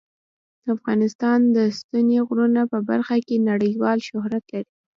افغانستان د ستوني غرونه په برخه کې نړیوال شهرت لري.